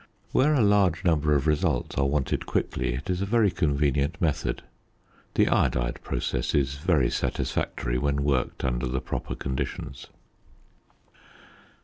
Where a large number of results are wanted quickly it is a very convenient method. The iodide process is very satisfactory when worked under the proper conditions.